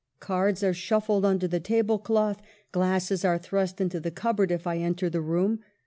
Cards are shuffled under the table cloth, glasses are thrust into the cupboard, if I enter the room.